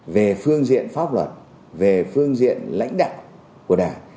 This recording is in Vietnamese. về phương diện pháp luật về phương diện lãnh đạo của đảng